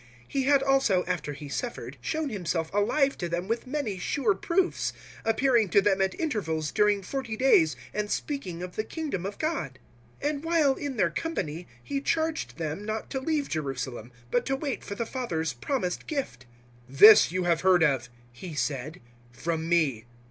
001:003 He had also, after He suffered, shown Himself alive to them with many sure proofs, appearing to them at intervals during forty days, and speaking of the Kingdom of God. 001:004 And while in their company He charged them not to leave Jerusalem, but to wait for the Father's promised gift. "This you have heard of," He said, "from me.